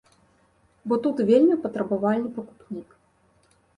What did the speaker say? Бо тут вельмі патрабавальны пакупнік.